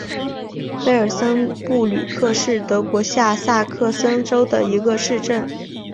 贝尔森布吕克是德国下萨克森州的一个市镇。